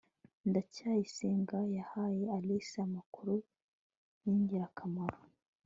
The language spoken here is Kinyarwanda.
ndacyayisenga yahaye alice amakuru yingirakamaro